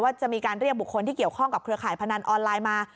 จะมีการเรียกบุคคลที่เกี่ยวข้องกับเครือข่ายพนันออนไลน์มา